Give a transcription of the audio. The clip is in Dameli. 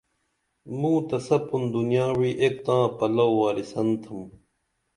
موں تہ سپُن دنیا وعی ایک تاں پلو وارسن تُھم